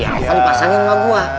ya apa dipasangin sama gua